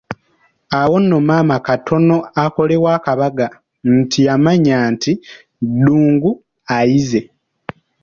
Awo nno maama katono akolewo n'akabaga anti yamanya nti Ddungu ayizze.